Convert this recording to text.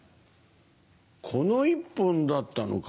この１本だったのか。